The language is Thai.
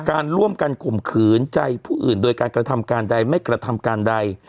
การร่วมกันข่มขืนใจผู้อื่นโดยการกระทำการใดไม่กระทำการใด